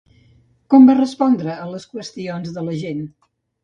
Com va respondre a les qüestions de la gent?